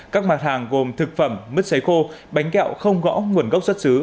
các mặt hàng gồm thực phẩm mứt xấy khô bánh kẹo không rõ nguồn gốc xuất xứ